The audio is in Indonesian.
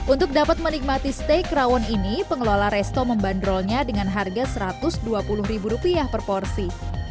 untuk dapat menikmati steak rawon ini pengelola resto membandrolnya dengan harga rp satu ratus dua puluh ribu rupiah per porsi